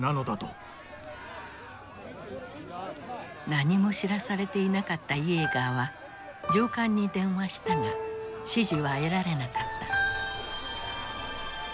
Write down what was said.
何も知らされていなかったイエーガーは上官に電話したが指示は得られなかった。